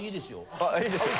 ああいいですよ。